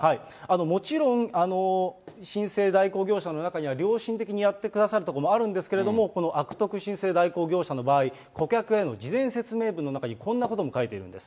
もちろん申請代行業者の中には、良心的にやってくださるところもあるんですけれども、この悪徳申請代行業者の場合、顧客への事前説明文の中にこんなことも書いているんです。